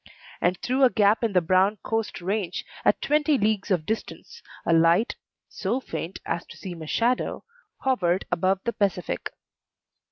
And through a gap in the brown coast range, at twenty leagues of distance, a light (so faint as to seem a shadow) hovered above the Pacific.